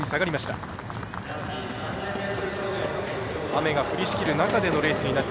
雨が降りしきる中でのレース。